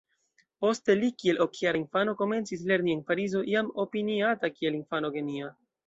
Poste li kiel ok-jara infano komencis lerni en Parizo jam opiniata kiel infano genia.